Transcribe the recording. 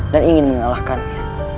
dan ingin mengalahkannya